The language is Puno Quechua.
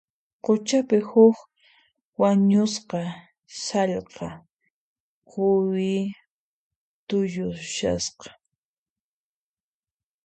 Quchapi, huk wañusqa sallqa quwi tuyushasqa.